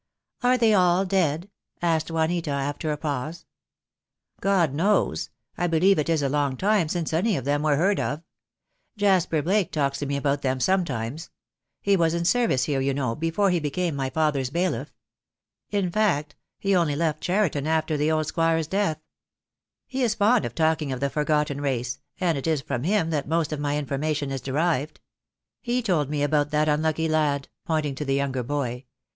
"Are they all dead?" asked Juanita, after a pause. "God knows. I believe it is a long time since any of them were heard of. Jasper Blake talks to me about them sometimes. He was in service here, you know, be fore he became my father's bailiff. In fact, he only left Cheriton after the old squire's death. He is fond of talking of the forgotten race, and it is from him that THE DAY WILL COME. 4§ most of my information is derived. He told me about that unlucky lad," pointing to the younger boy.